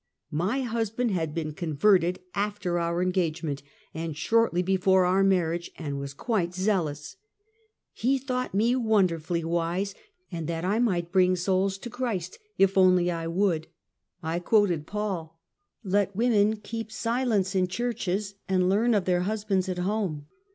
My husband had been con verted after our engagement and shortly before our marriage, and was quite zealous. He thought me won derfully wise, and that I might bring souls to Christ if I only would. I quoted Paul: " Let women keep si lence in churches, and learn of their husbands at home."